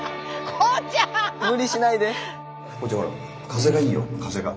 孝ちゃんほら風がいいよ風が。